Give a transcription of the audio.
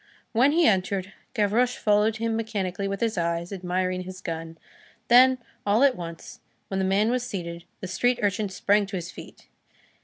When he entered, Gavroche followed him mechanically with his eyes, admiring his gun; then, all at once, when the man was seated, the street urchin sprang to his feet.